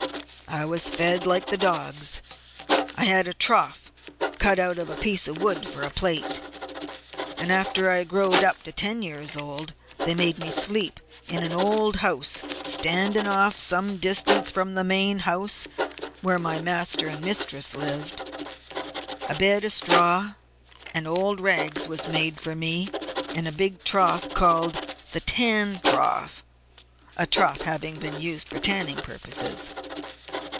I was fed like the dogs; had a trough dug out of a piece of wood for a plate. After I growed up to ten years old they made me sleep out in an old house standing off some distance from the main house where my master and mistress lived. A bed of straw and old rags was made for me in a big trough called the tan trough (a trough having been used for tanning purposes).